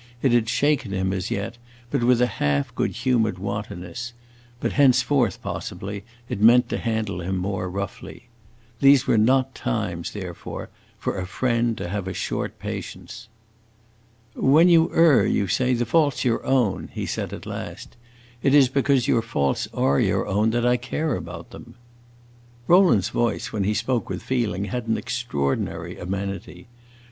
It had shaken him, as yet, but with a half good humored wantonness; but, henceforth, possibly, it meant to handle him more roughly. These were not times, therefore, for a friend to have a short patience. "When you err, you say, the fault 's your own," he said at last. "It is because your faults are your own that I care about them." Rowland's voice, when he spoke with feeling, had an extraordinary amenity.